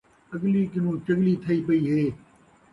اڳلی کنوں چڳلی تھئی پئی ہے